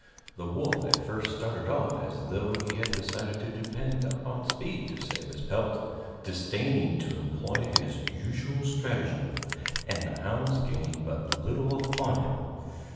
The wolf at first started off as though he had decided to depend upon speed to save his pelt, disdaining to employ his usual stratagem, and the hounds gained but little upon him.